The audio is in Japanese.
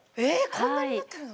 こんなになってるの？